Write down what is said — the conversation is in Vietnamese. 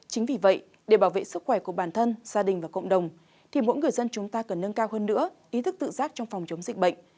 chính vì vậy để bảo vệ sức khỏe của bản thân gia đình và cộng đồng thì mỗi người dân chúng ta cần nâng cao hơn nữa ý thức tự giác trong phòng chống dịch bệnh